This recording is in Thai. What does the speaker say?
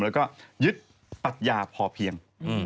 แล้วก็ยึดปัญญาพอเพียง